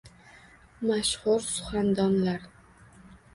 Mashhur suxandonlar